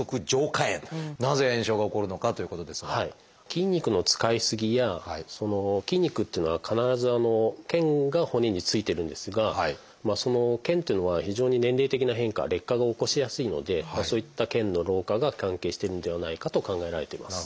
筋肉の使い過ぎや筋肉っていうのは必ず腱が骨についてるんですがその腱というのは非常に年齢的な変化劣化が起こしやすいのでそういった腱の老化が関係しているんではないかと考えられています。